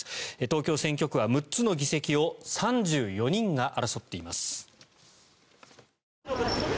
東京選挙区は６つの議席を３４人が争っています。